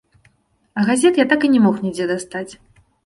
А газет я так і не мог нідзе дастаць.